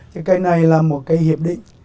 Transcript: chứ cái này là một cái hiệp định